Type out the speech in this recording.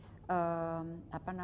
untuk melakukan perusahaan yang berkualitas